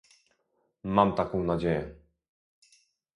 Mam taką nadzieję